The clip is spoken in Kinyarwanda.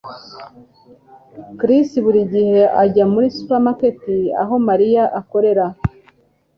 Chris buri gihe ajya muri supermarket aho Mariya akorera